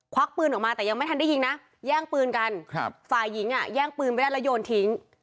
วักปืนออกมาแต่ยังไม่ทันได้ยิงนะแย่งปืนกันฝ่ายหญิงอ่ะแย่งปืนไปได้แล้วโยนทิ้ง